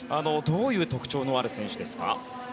どういう特徴のある選手ですか？